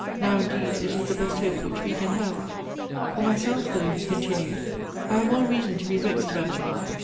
Now indeed it is the best hope which we can have. For myself, though," he continued, "I have all reason to be vexed about it.